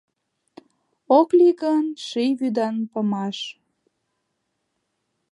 Ок лий гын ший вӱдан памаш.